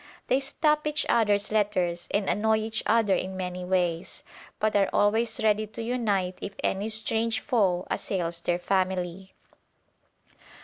They stop each other's letters and annoy each other in many ways, but are always ready to unite if any strange foe assails their family.